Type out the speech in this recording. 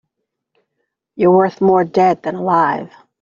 You're worth more dead than alive.